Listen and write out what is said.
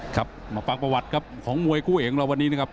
ครับมาฟังประวัติครับของมวยคู่เอกของเราวันนี้นะครับ